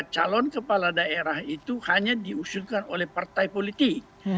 calon kepala daerah itu hanya diusulkan oleh partai politik